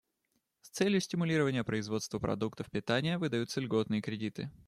С целью стимулирования производства продуктов питания выдаются льготные кредиты.